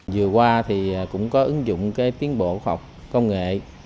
vừa qua thì cũng có ứng dụng cái tiến bộ khoa học công nghệ